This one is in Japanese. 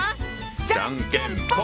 じゃんけんぽん！